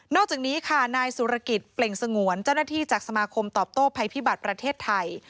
อกจากนี้ค่ะนายสุรกิจเปล่งสงวนเจ้าหน้าที่จากสมาคมตอบโต้ภัยพิบัติประเทศไทย